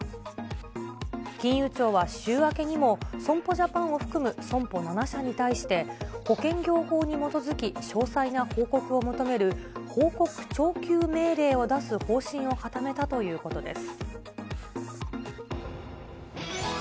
金融庁は週明けにも、損保ジャパンを含む損保７社に対して、保険業法に基づき、詳細な報告を求める報告徴求命令を出す方針を固めたということです。